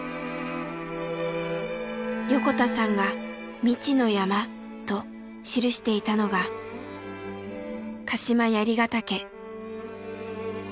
横田さんが「未知の山」と記していたのが鹿島槍ヶ岳。